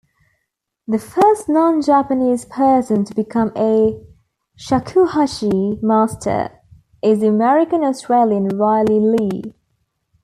The first non-Japanese person to become a shakuhachi master is the American-Australian Riley Lee.